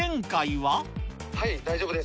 はい、大丈夫です。